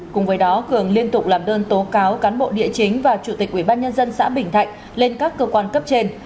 cùng với đó cường liên tục làm đơn tố cáo cán bộ địa chính và chủ tịch ubnd xã bình thạnh lên các cơ quan cấp trên